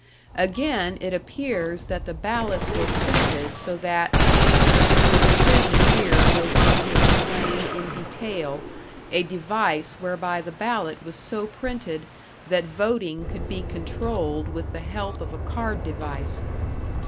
Again, it appears that the ballots were printed so that.... (The decision here goes on to explain in detail a device whereby the ballot was so printed that voting could be controlled with the help of a card device.)